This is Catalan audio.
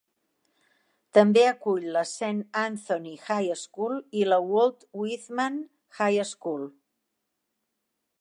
També acull la Saint Anthony High School i la Walt Whitman High School.